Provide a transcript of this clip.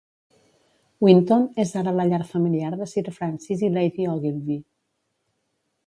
Winton és ara la llar familiar de Sir Francis i Lady Ogilvy.